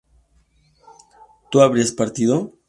¿tú habrías partido?